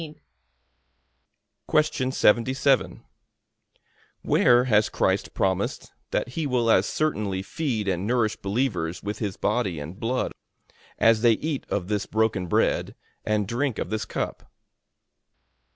A.